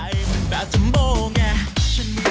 เย้